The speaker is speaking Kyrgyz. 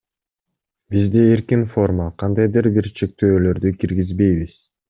Бизде эркин форма, кандайдыр бир чектөөлөрдү киргизбейбиз.